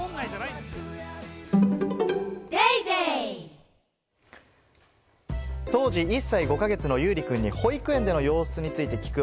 「特茶」当時１歳５か月のゆうりくんに保育園での様子について聞く